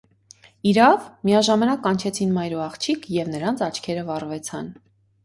- Իրա՞վ,- միաժամանակ կանչեցին մայր ու աղջիկ, և նրանց աչքերը վառվեցան: